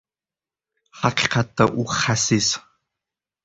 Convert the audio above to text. Haqiqatda u xasis.